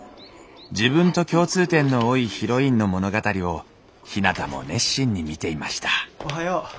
自分と共通点の多いヒロインの物語をひなたも熱心に見ていました